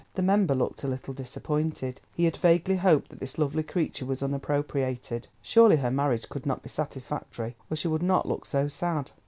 The member looked a little disappointed. He had vaguely hoped that this lovely creature was unappropriated. Surely her marriage could not be satisfactory, or she would not look so sad.